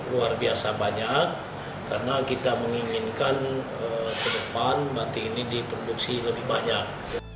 luar biasa banyak karena kita menginginkan ke depan mati ini diproduksi lebih banyak